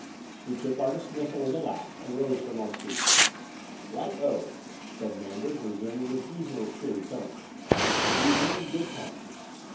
Wie took our dismissal with a laugh and rose from our seats. "Right oh," said Manders, resuming his usual cheery tone. "We'll be here in good time."